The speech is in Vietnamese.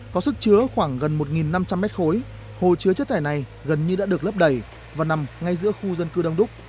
có sức chứa khoảng gần một năm trăm linh mét khối hồ chứa chất thải này gần như đã được lấp đầy và nằm ngay giữa khu dân cư đông đúc